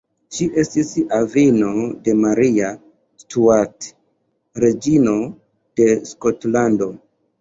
Ŝi estis avino de Maria Stuart, reĝino de Skotlando.